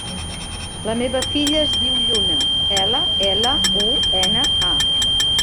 La meva filla es diu Lluna: ela, ela, u, ena, a.